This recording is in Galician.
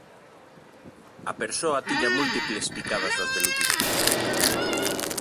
A persoa tiña múltiples picadas das 'velutinas'.